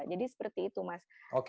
jadi seperti itu mas